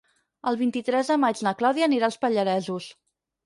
El vint-i-tres de maig na Clàudia anirà als Pallaresos.